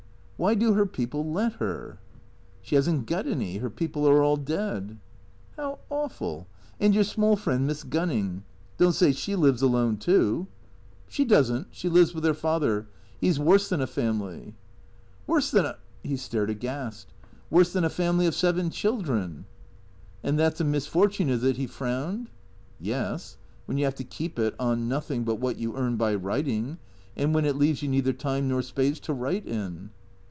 " Why do her people let her ?"" She has n't got any. Her people are all dead." " How awful. And your small friend, Miss Gunning? Don't say she lives alone, too." 74 THECEEATOES " She does n't. She lives with her father. He 's worse than a family "" Worse than a ?" He stared aghast. " Worse than a family of seven children." " And that 's a misfortune, is it ?" He frowned. " Yes, when you have to keep it — on nothing but what you earn by writing, and when it leaves you neither time nor space to write in."